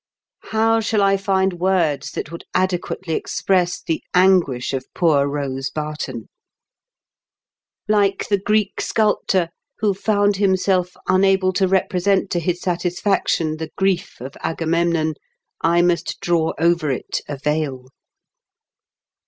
How shall I find words that would adequately express the anguish of poor Kose Barton ? Like the Greek sculptor who found himself unable to represent to his satisfaction 198 IN KENT WITH CHABLEB BIGKEN8. the grief of Agamemnon, I must draw over it a veil.